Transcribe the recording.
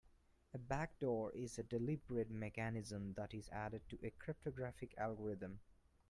A backdoor is a deliberate mechanism that is added to a cryptographic algorithm.